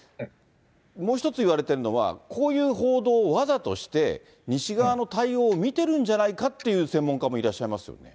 もう一つ言われているのは、こういう報道をわざとして、西側の対応を見てるんじゃないかっていう、専門家もいらっしゃいますよね。